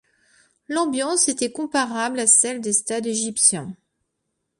L'ambiance était comparable à celle des stades égyptiens.